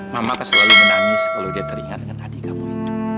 mama kan selalu menangis kalau dia teringat dengan adik kamu itu